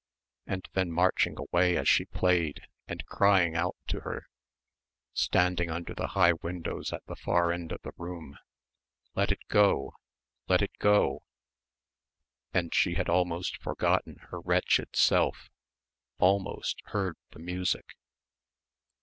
And then marching away as she played and crying out to her standing under the high windows at the far end of the room, "Let it go! Let it go!" And she had almost forgotten her wretched self, almost heard the music....